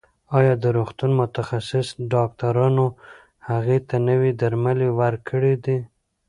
ایا د روغتون متخصص ډاکټرانو هغې ته نوي درمل ورکړي دي؟